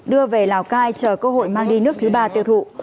đưa về lào cai chờ cơ hội mang đi nước thứ ba tiêu thụ